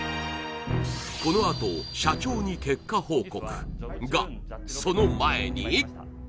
このあと社長に結果報告がその前に！